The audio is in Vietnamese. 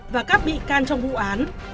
và các bị can trong vụ án